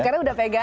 karena udah pegang